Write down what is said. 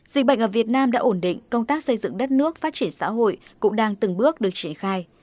dịch bệnh ở việt nam đã ổn định công tác xây dựng đất nước phát triển xã hội cũng đang từng bước được triển khai